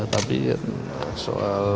tapi soal masalah